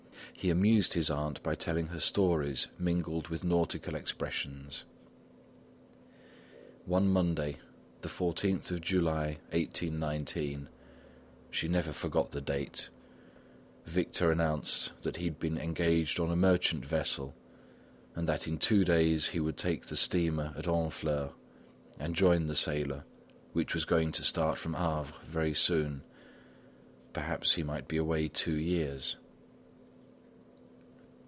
He amused his aunt by telling her stories mingled with nautical expressions. One Monday, the 14th of July, 1819 (she never forgot the date), Victor announced that he had been engaged on merchant vessel and that in two days he would take the steamer at Honfleur and join his sailer, which was going to start from Havre very soon. Perhaps he might be away two years.